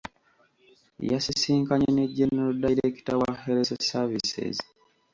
Yasisinkanye ne General Director wa health Services.